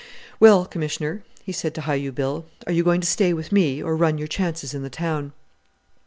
Well, Commissioner," he said to Hi u Bill, "are you going to stay with me, or run your chances in the town?"